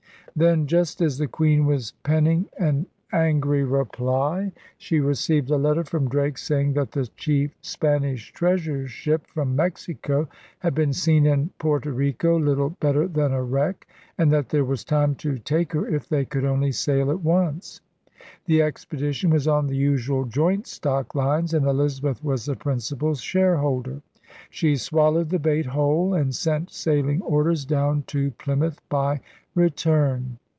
Then, just as the Queen was penning an angry reply, she received a letter from Drake, saying that the chief Spanish treasure ship from Mexico had been seen in Porto Rico little better than a wreck, and that there was time to take her if they could only sail at once. The ex pedition was on the usual joint stock lines and Elizabeth was the principal shareholder. She swallowed the bait whole; and sent sailing orders down to Plymouth by return.